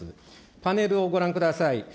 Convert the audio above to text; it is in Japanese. パネルをご覧ください。